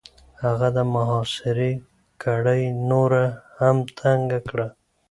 هغه د محاصرې کړۍ نوره هم تنګ کړه.